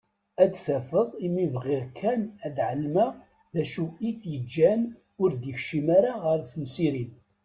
Ad tafeḍ imi bɣiɣ kan ad ɛelmeɣ d acu i t-ittaǧǧan ur d-ikeččem ara ɣer temsirin.